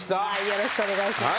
よろしくお願いします。